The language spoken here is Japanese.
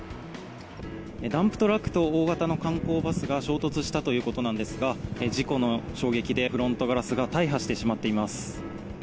ダンプトラックと大型の観光バスが衝突したということなんですが事故の衝撃でフロントガラスが大破してしまっています。